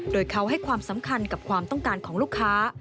โดยเขาให้ความสำคัญกับความต้องการของลูกค้า